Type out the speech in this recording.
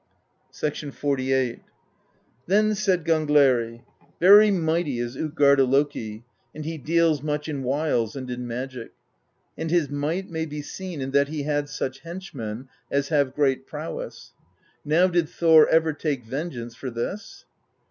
XLVIII. Then said Gangleri: "Very mighty is tJtgarda Loki, and he deals much in wiles and in magic; and his might may be seen in that he had such henchmen as have great prowess. Now did Thor ever take vengeance for this?"